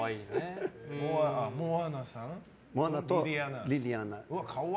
モアナとリリアナ。